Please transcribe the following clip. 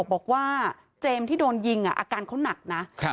บอกว่าเจมส์ที่โดนยิงอาการเขาหนักนะ